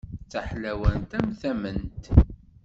D taḥlawant am tamemt.